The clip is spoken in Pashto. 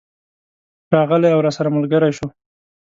راغلی او راسره ملګری شو.